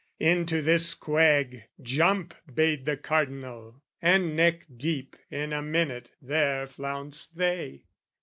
Into this quag, "jump" bade the Cardinal! And neck deep in a minute there flounced they.